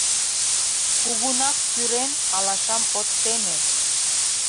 Кугунак кӱрен алашам от теме.